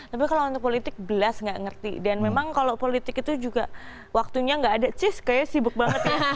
tapi kalau untuk politik blast nggak ngerti dan memang kalau politik itu juga waktunya nggak ada cheese kayaknya sibuk banget ya